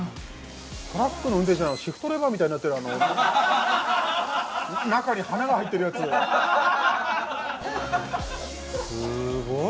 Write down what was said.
トラックの運転手のシフトレバーみたいになってるあの中に花が入ってるやつすごい！